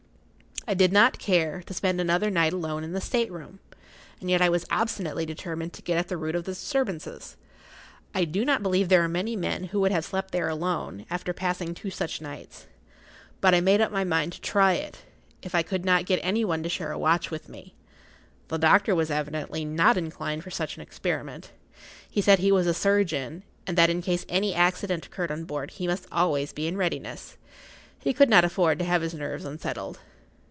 I did not care to spend another night alone in the state room, and yet I was obstinately determined to get at the root of the disturbances. I do not believe there are many men who would have slept[Pg 52] there alone, after passing two such nights. But I made up my mind to try it, if I could not get any one to share a watch with me. The doctor was evidently not inclined for such an experiment. He said he was a surgeon, and that in case any accident occurred on board he must always be in readiness. He could not afford to have his nerves unsettled.